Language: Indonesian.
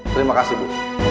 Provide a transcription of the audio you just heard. terima kasih bu